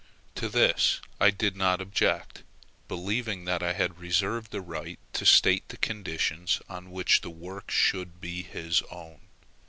To this I did not object, believing that I had reserved the right to state the conditions on which the work should be his own.